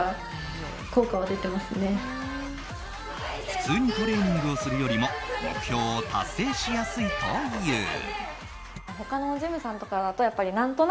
普通にトレーニングをするよりも目標を達成しやすいという。